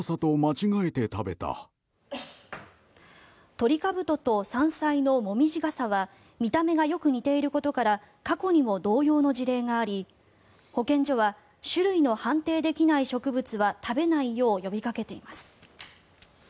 トリカブトと山菜のモミジガサは見た目がよく似ていることから過去にも同様の事例があり保健所は種類の判定できない植物は食べないよう呼びかけています。